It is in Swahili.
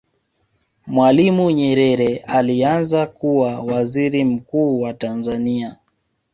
mwalimu nyerere alianza kuwa Waziri mkuu wa tanzania